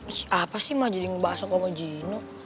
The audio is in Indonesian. ih apa sih mah jadi ngebahas aku sama jinu